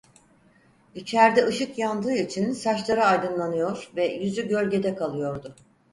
İçerde ışık yandığı için saçları aydınlanıyor ve yüzü gölgede kalıyordu.